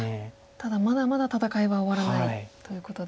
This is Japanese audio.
ただまだまだ戦いは終わらないということで。